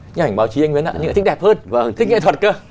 như ảnh báo chí anh nguyễn ạ anh ấy thích đẹp hơn thích nghệ thuật cơ